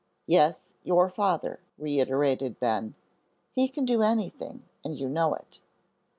"Yes, your father," reiterated Ben. "He can do anything, and you know it."